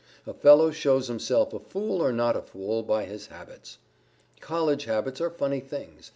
A fellow shows himself a fool or not a fool by his habits. College habits are funny things.